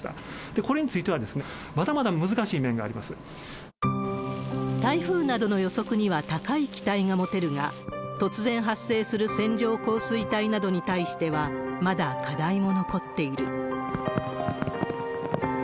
これについては、まだまだ難しい台風などの予測には高い期待が持てるが、突然発生する線状降水帯などに対しては、まだ課題も残っている。